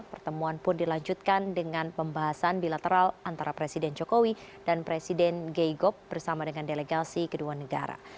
pertemuan pun dilanjutkan dengan pembahasan bilateral antara presiden jokowi dan presiden geigob bersama dengan delegasi kedua negara